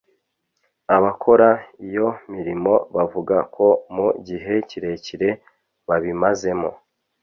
Abakora iyo mirimo bavuga ko mu gihe kirekire babimazemo